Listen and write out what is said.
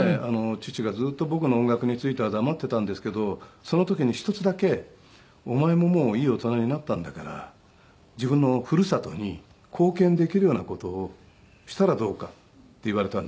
父がずっと僕の音楽については黙っていたんですけどその時に一つだけ「お前ももういい大人になったんだから自分のふるさとに貢献できるような事をしたらどうか」って言われたんですね。